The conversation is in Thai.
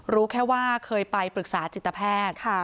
รู้แค่ว่าเคยไปปรึกษาจิตแพทย์